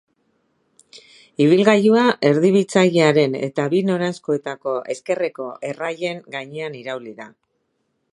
Ibilgailua erdibitzailearen eta bi noranzkoetako ezkerreko erreien gainean irauli da.